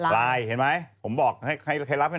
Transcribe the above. เต็ดปุ๊บเข้าไป